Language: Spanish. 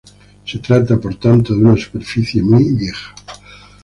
Se trata por tanto de una superficie muy vieja.